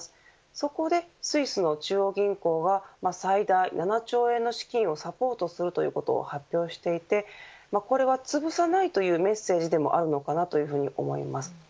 そこでスイスの中央銀行は最大７兆円の資金をサポートするということを発表していてこれは、つぶさないというメッセージでもあるのかなと思います。